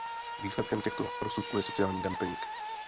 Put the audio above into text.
Výsledkem těchto rozsudků je sociální dumping.